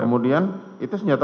kemudian itu senjata lomba